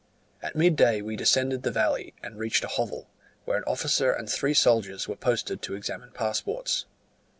At midday we descended the valley, and reached a hovel, where an officer and three soldiers were posted to examine passports.